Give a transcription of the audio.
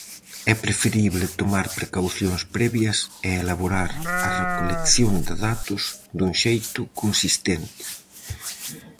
É preferible tomar precaucións previas e elaborar a recolección de datos dun xeito consistente.